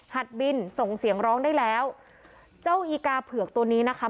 บินส่งเสียงร้องได้แล้วเจ้าอีกาเผือกตัวนี้นะคะ